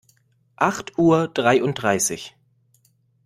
Acht Uhr dreiunddreißig.